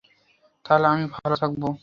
তাহলে আমি ভালো থাকব।